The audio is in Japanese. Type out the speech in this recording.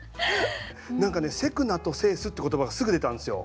何かね「急くな」と「制す」って言葉がすぐ出たんですよ。